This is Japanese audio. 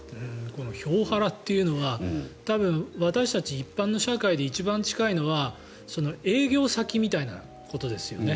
この票ハラというのは多分、私たち一般の社会で一番近いのは営業先みたいなことですよね。